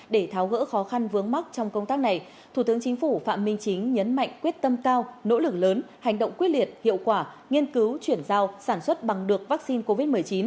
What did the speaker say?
để tháo gỡ khó khăn vướng mắt trong công tác này thủ tướng chính phủ phạm minh chính nhấn mạnh quyết tâm cao nỗ lực lớn hành động quyết liệt hiệu quả nghiên cứu chuyển giao sản xuất bằng được vaccine covid một mươi chín